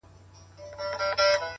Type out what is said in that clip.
o ترڅو له ماڅخه ته هېره سې ـ